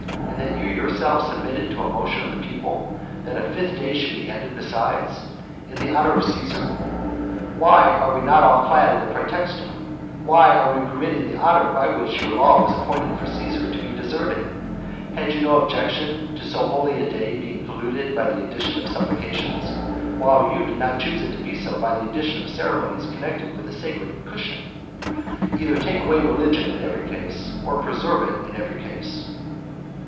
and that you yourself submitted a motion to the people, that a fifth day should be added besides, in honour of Caesar? Why are we not all clad in the praetexta? Why are we permitting the honour which by your law was appointed for Caesar to be deserted? Had you no objection to so holy a day being polluted by the addition of supplications, while you did not choose it to be so by the addition of ceremonies connected with a sacred cushion? Either take away religion in every case, or preserve it in every case.